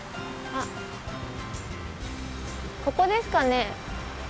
あっ、ここですかね。